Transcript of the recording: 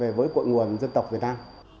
về với cội nguồn dân tộc việt nam